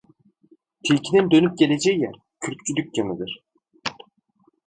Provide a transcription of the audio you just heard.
Tilkinin dönüp geleceği yer, kürkçü dükkanıdır.